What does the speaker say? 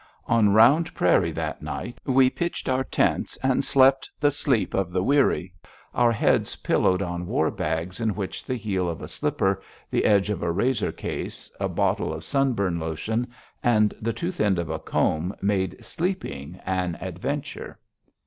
On Round Prairie, that night, we pitched our tents and slept the sleep of the weary, our heads pillowed on war bags in which the heel of a slipper, the edge of a razor case, a bottle of sunburn lotion, and the tooth end of a comb made sleeping an adventure.